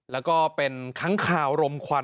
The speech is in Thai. แล้วก็เป็นค้างคาวรมควัน